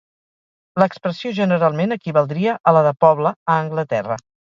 L'expressió generalment equivaldria a la de "poble" a Anglaterra.